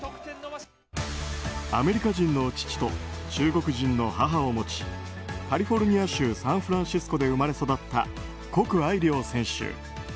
アメリカ人の父と中国人の母を持ちカリフォルニア州サンフランシスコで生まれ育ったコク・アイリョウ選手。